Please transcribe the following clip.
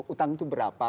utang itu berapa